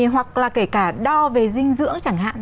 hoặc là kể cả đo về dinh dưỡng chẳng hạn